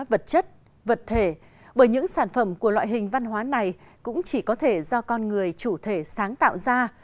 vật chất vật thể bởi những sản phẩm của loại hình văn hóa này cũng chỉ có thể do con người chủ thể sáng tạo ra